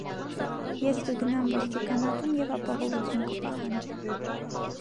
Ես կգնամ ոստիկանատուն և ապահովություն կպահանջեմ…